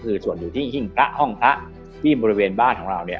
คือสวดอยู่ที่ห้องพระที่บริเวณบ้านของเราเนี่ย